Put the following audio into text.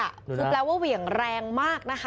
คือแปลว่าเหวี่ยงแรงมากนะคะ